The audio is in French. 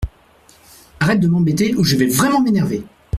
Arrête de m’embêter ou je vais vraiment m’énerver.